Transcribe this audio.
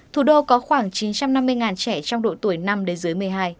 thủ đô có khoảng chín trăm năm mươi trẻ trong độ tuổi năm đến dưới một mươi hai